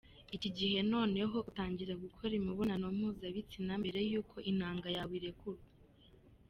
Iki gihe noneho utangira gukora imibonana mpuzabitsina mbere y’uko intanga yawe irekurwa.